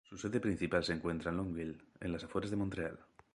Su sede principal se encuentra en Longueuil, en las afueras de Montreal.